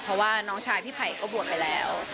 เพราะว่าน้องชายพี่ไผ่ก็บวชไปแล้ว